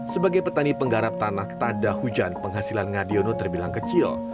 sebagai petani penggarap tanah tada hujan penghasilan ngadiono terbilang kecil